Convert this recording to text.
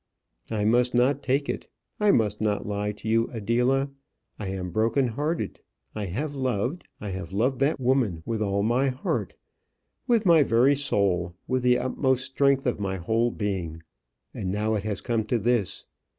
"I must not take it. I must not lie to you, Adela. I am broken hearted. I have loved; I have loved that woman with all my heart, with my very soul, with the utmost strength of my whole being and now it has come to this.